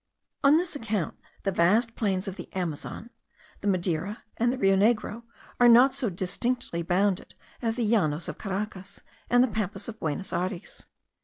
On this account, the vast plains of the Amazon, the Madeira, and the Rio Negro, are not so distinctly bounded as the Llanos of Caracas, and the Pampas of Buenos Ayres.